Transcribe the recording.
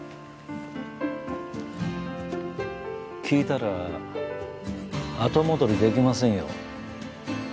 聞いたら後戻りできませんよ。